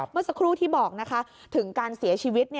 เมื่อสักครู่ที่บอกนะคะถึงการเสียชีวิต